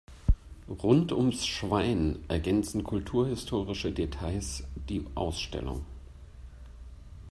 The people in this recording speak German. Rund ums Schwein ergänzen kulturhistorische Details die Ausstellung.